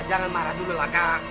jangan marah dulu kak